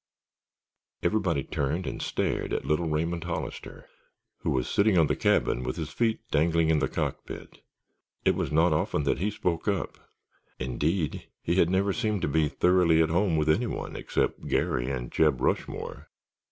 Everybody turned and stared at little Raymond Hollister who was sitting on the cabin with his feet dangling in the cockpit. It was not often that he spoke up. Indeed, he had never seemed to be thoroughly at home with anyone except Garry and Jeb Rushmore.